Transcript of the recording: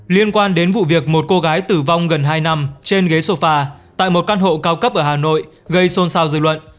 liên quan đến vụ việc một cô gái tử vong gần hai năm trên ghế sofa tại một căn hộ cao cấp ở hà nội gây xôn xao dư luận